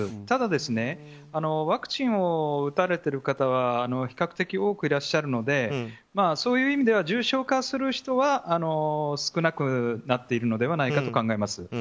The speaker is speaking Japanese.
ただワクチンを打たれている方が比較的多くいらっしゃるのでそういう意味では重症化する人は少なくなっているのではないかと考えます。